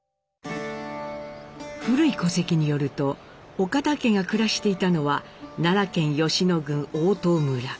古い戸籍によると岡田家が暮らしていたのは奈良県吉野郡大塔村。